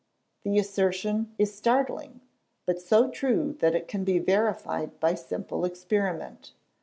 The assertion is startling, but so true that it can be verified by simple experiment.